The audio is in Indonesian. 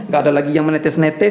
gak ada lagi yang menetes netes